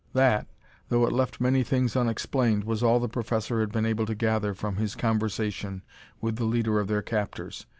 That, though it left many things unexplained, was all the professor had been able to gather from his conversation with the leader of their captors.